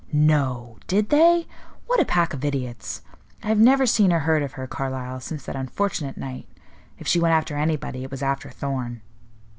"No! did they? What a pack of idiots! I have never seen or heard of her, Carlyle, since that unfortunate night. If she went after anybody, it was after Thorn."